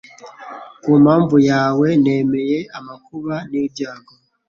Ku mpamvu yawe nemeye amakuba n’ibyago